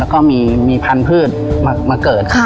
แล้วก็มีพันธุ์พืชมาเกิด